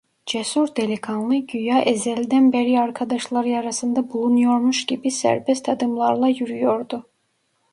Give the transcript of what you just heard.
Cesur delikanlı, güya ezelden beri arkadaşları arasında bulunuyormuş gibi serbest adımlarla yürüyordu.